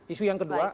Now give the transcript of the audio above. isu yang kedua